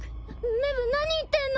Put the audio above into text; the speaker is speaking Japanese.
メブ何言ってんの？